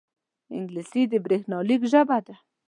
انګلیسي د بریښنالیک ژبه ده